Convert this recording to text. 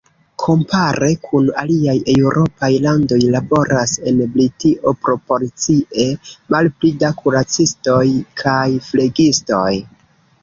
Kompare kun aliaj eŭropaj landoj laboras en Britio proporcie malpli da kuracistoj kaj flegistoj.